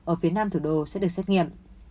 ở phía nam thủ đô sẽ được xét nghiệm